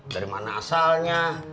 dari mana asalnya